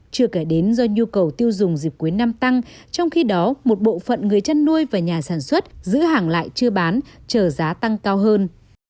chưa kể đến do nhu cầu tiêu dùng dịp cuối năm tăng trong khi đó một bộ phận người chăn nuôi và nhà sản xuất giữ hàng lại chưa bán chờ giá tăng cao hơn